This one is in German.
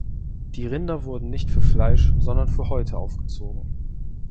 Die Rinder wurden nicht für Fleisch, sondern für Häute aufgezogen.